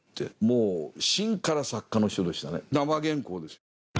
生原稿です。